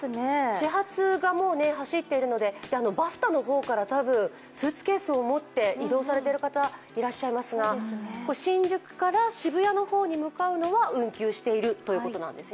始発がもう走っているので、バスタの方からスーツケースを持って移動されている方、いらっしゃいますが新宿から渋谷の方に向かうのは運休しているということです。